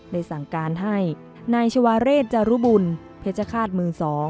ได้สั่งการให้นายชวาเรศจารุบุญเพชรฆาตมือ๒